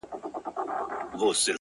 چي ته راتلې هيڅ يو قدم دې ساه نه درلوده-